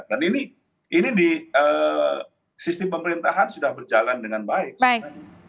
dan ini di sistem pemerintahan sudah berjalan dengan baik